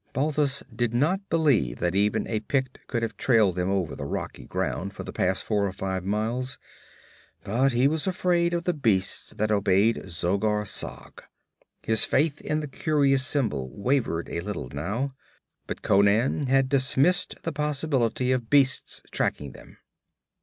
Balthus did not believe that even a Pict could have trailed them over the rocky ground for the past four or five miles, but he was afraid of the beasts that obeyed Zogar Sag. His faith in the curious symbol wavered a little now. But Conan had dismissed the possibility of beasts tracking them.